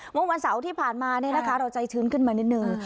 เมื่อวันเสาร์ที่ผ่านมาเราใจชื้นขึ้นมานิดนึง